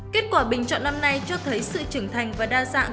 kết quả bình chọn năm nay cho thấy sự trưởng thành và đa dạng